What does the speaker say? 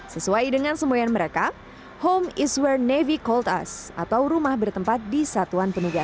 sesuai dengan semua kemampuan kapal ini kapal ini akan berjaga di mana saja